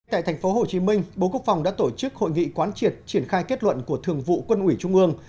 tại tp hcm bộ quốc phòng đã tổ chức hội nghị quán triệt triển khai kết luận của thường vụ quân ủy trung ương